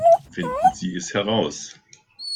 Finden Sie es heraus!